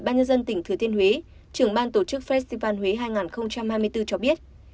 ban nhân dân tỉnh thừa thiên huế trưởng ban tổ chức festival huế hai nghìn hai mươi bốn cho biết